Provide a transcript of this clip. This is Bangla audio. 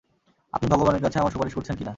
আপনি ভগবানের কাছে আমার সুপারিশ করছেন কি না?